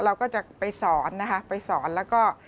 เราก็จะไปสอนนะคะไปสอนแล้วก็